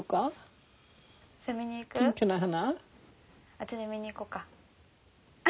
後で見に行こうか。